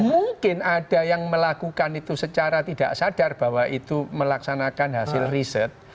mungkin ada yang melakukan itu secara tidak sadar bahwa itu melaksanakan hasil riset